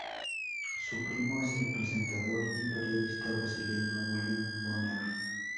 Su primo es el presentador y periodista brasileño William Bonner.